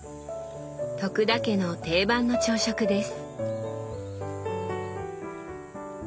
田家の定番の朝食です。